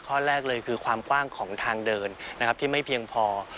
ข้อแรกเลยคือความกว้างของทางเดินนะครับที่ไม่เพียงพอ